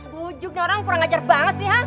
bujuknya orang kurang ajar banget sih ha